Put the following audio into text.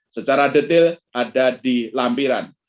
secara detail ada di lampiran